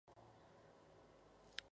Es párroco en la diócesis de Granada.